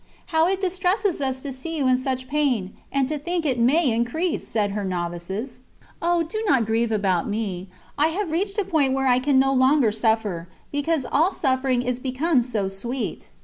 "How it distresses us to see you in such pain, and to think that it may increase!" said her novices. "Oh! Do not grieve about me. I have reached a point where I can no longer suffer, because all suffering is become so sweet.